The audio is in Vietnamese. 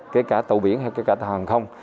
kể cả tàu biển hay cả tàu hàng không